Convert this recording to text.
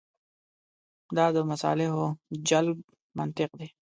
دا د مصالحو جلب منطق دی.